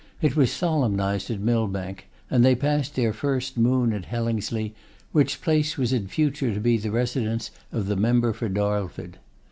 It was solemnised at Millbank, and they passed their first moon at Hellingsley, which place was in future to be the residence of the member for Darlford.